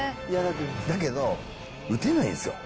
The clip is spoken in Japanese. だけど、打てないんですよ。